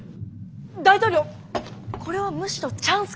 大統領これはむしろチャンスかもしれません。